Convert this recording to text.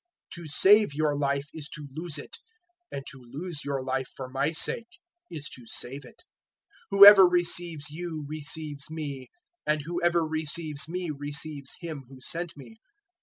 010:039 To save your life is to lose it, and to lose your life for my sake is to save it. 010:040 "Whoever receives you receives me, and whoever receives me receives Him who sent me.